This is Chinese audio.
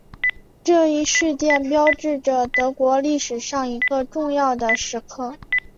这一事件标志着德国历史上一个重要的时刻。